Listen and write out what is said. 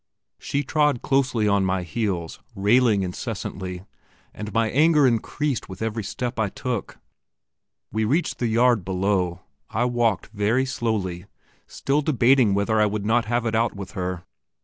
She trod close on my heels, railing incessantly, and my anger increased with every step I took. We reached the yard below. I walked very slowly, still debating whether I would not have it out with her.